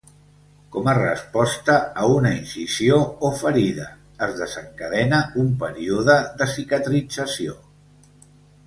Com a resposta a una incisió o ferida, es desencadena un període de cicatrització.